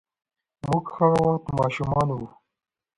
موږ هغه وخت ماشومان وو.